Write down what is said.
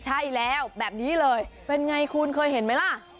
ใช่แล้วแบบนี้เลยเป็นไงคุณเคยเห็นไหมล่ะ